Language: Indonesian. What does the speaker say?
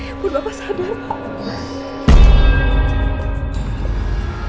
ya ampun bapak sadar pak